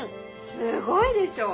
すごいでしょ。